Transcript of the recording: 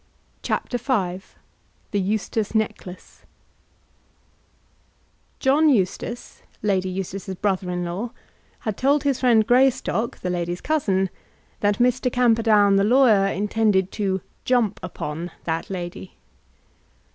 CHAPTER V The Eustace Necklace John Eustace, Lady Eustace's brother in law, had told his friend Greystock, the lady's cousin, that Mr. Camperdown the lawyer intended to "jump upon" that lady.